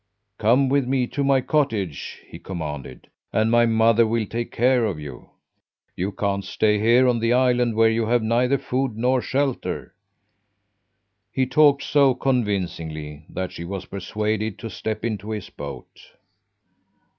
'Come with me to my cottage,' he commanded, 'and my mother will take care of you. You can't stay here on the island, where you have neither food nor shelter!' He talked so convincingly that she was persuaded to step into his boat.